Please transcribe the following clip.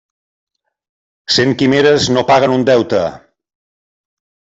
Cent quimeres no paguen un deute.